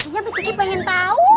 iya tapi suki pengen tahu